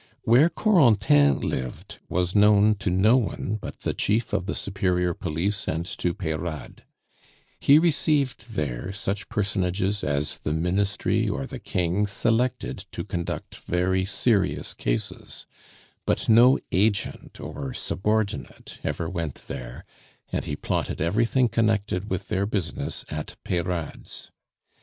Where Corentin lived was known to no one but the Chief of the Superior Police and to Peyrade; he received there such personages as the Ministry or the King selected to conduct very serious cases; but no agent or subordinate ever went there, and he plotted everything connected with their business at Peyrade's.